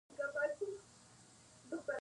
افغانستان په چار مغز باندې تکیه لري.